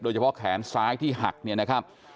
แขนซ้ายที่หักเนี่ยนะครับ